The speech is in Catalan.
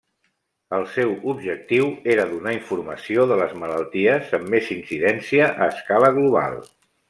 El seu objectiu era donar informació de les malalties amb més incidència a escala global.